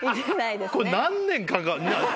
これ何年かかんの？